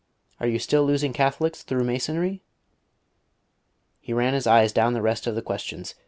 Are you still losing Catholics through Masonry?" He ran his eyes down the rest of the questions.